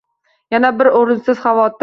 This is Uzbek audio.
Yana bir o‘rinsiz xavotir